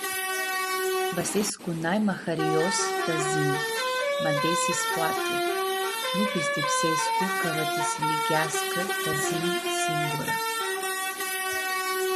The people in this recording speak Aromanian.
Va s-escu naima harios ta s-yinj, ma desi s-poati? Nu pistipsescu cã va ti-siligheascã ta s-yinj singurã.